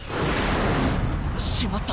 しまった。